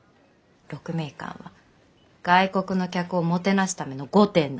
鹿鳴館は外国の客をもてなすための御殿なんだよ。